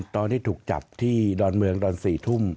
ตอนที่ถูกจับที่ดอนเมืองตอน๔ทุ่ม